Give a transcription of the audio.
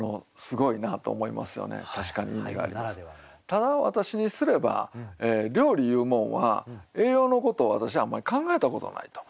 ただ私にすれば料理いうもんは栄養のことを私はあんまり考えたことないと。